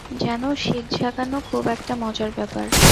যেন শিক ঝাঁকানো খুব-একটা মজার ব্যাপার।